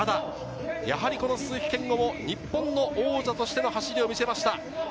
やはり鈴木健吾も日本の王者としての走りを見せました。